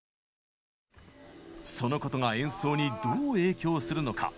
そのことが演奏にどう影響するのか。